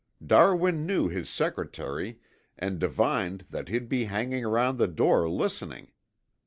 Darwin knew his secretary and divined that he'd be hanging around the door listening.